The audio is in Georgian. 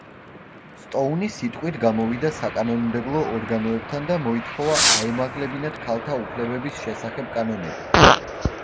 სტოუნი სიტყვით გამოვიდა საკანონმდებლო ორგანოებთან და მოითხოვა აემაღლებინათ ქალთა უფლებების შესახებ კანონები.